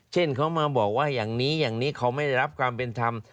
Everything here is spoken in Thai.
เช่นเขามาบอกว่าอย่างนี้อย่างนี้เขาไม่ได้รับความเป็นธรรม